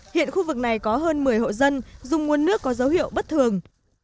hiện khu vực này có hơn một mươi hộ dân dùng nguồn nước có dấu hiệu bất thường